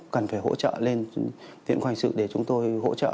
cần phải hỗ trợ lên tiện khoanh sự để chúng tôi hỗ trợ